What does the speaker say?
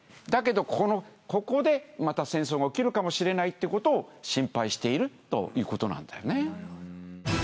だけどここでまた戦争が起きるかもしれないってことを心配しているということなんだよね。